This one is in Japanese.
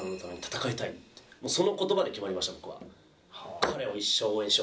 その言葉で決まりました僕は。